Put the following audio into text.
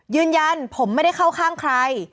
ยืนยันผมไม่ได้เข้าข้างใคร